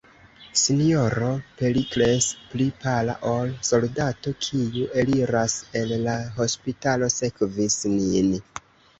S-ro Perikles, pli pala ol soldato, kiu eliras el la hospitalo, sekvis nin.